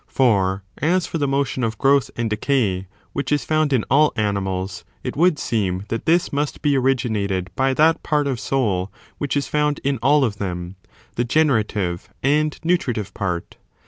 For as for the motion of growth and decay, which is found in all animals, it would seem that this must be originated by that part of soul which is found in all of them, the generative and nutritive part.